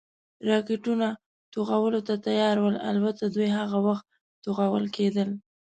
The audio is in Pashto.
راکټونه، توغولو ته تیار ول، البته دوی هغه وخت توغول کېدل.